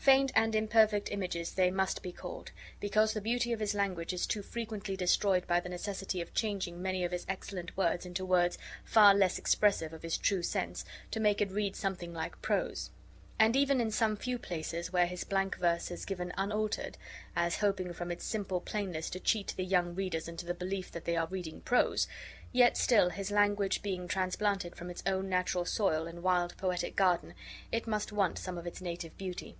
Faint and imperfect images they must be called, because the beauty of his language is too frequently destroyed by the necessity of changing many of his excellent words into words far less expressive of his true sense, to make it read something like prose; and even in some few places, where his blank verse is given unaltered, as hoping from its simple plainness to cheat the young readers into the belief that they are reading prose, yet still his language being transplanted from its own natural soil and wild poetic garden, it must want much of its native beauty.